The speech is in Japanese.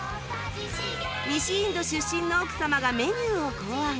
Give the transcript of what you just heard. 西インド出身の奥様がメニューを考案